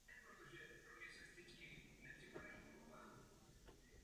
Běžecké dráhy byly odstranění a tři ze čtyř tribun byly obnoveny a rozšířeny.